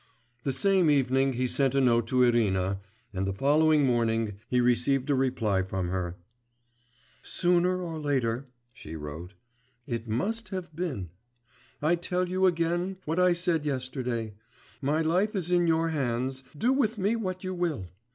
The same evening he sent a note to Irina, and the following morning he received a reply from her. 'Sooner or later,' she wrote, 'it must have been. I tell you again what I said yesterday: my life is in your hands, do with me what you will.